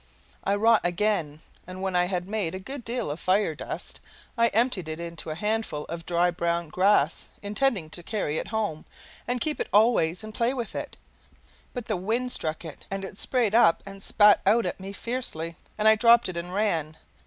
I wrought again; and when I had made a good deal of fire dust I emptied it into a handful of dry brown grass, intending to carry it home and keep it always and play with it; but the wind struck it and it sprayed up and spat out at me fiercely, and I dropped it and ran.